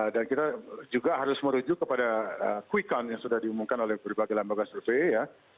dan kita juga harus merujuk kepada kuikon yang sudah diumumkan oleh berbagai lembaga survei ya